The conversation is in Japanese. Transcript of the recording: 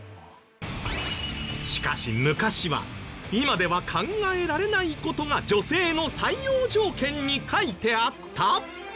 しかし昔は今では考えられない事が女性の採用条件に書いてあった！？